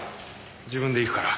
自分で行くから。